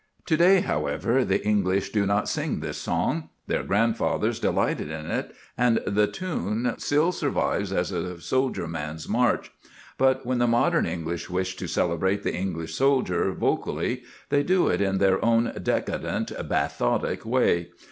To day, however, the English do not sing this song. Their grandfathers delighted in it, and the tune still survives as a soldier man's march. But when the modern English wish to celebrate the English soldier vocally, they do it in their own decadent, bathotic way.